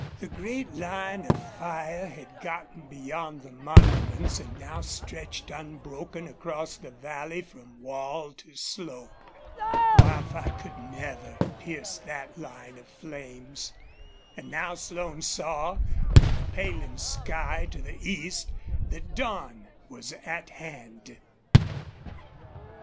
The great line of fire had gotten beyond the monuments and now stretched unbroken across the valley from wall to slope. Wildfire could never pierce that line of flames. And now Slone saw, in the paling sky to the east, that dawn was at hand.